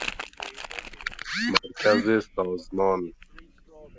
مرکز سازمان